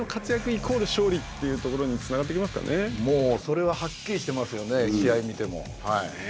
イコール勝利というところにもうそれははっきりしてますよね試合を見ても。